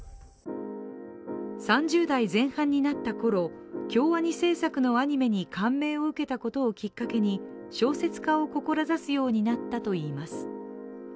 ３０代前半になったころ、京アニ制作のアニメに感銘を受けたことをきっかけに小説家を志すようになったといいます。